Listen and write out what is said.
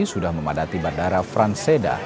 sudah memadati bandara franz seda